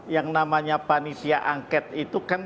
yang namanya panitia angket itu kan